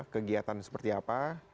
kegiatan seperti apa